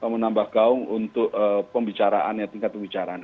menambah gaung untuk pembicaraannya tingkat pembicaraan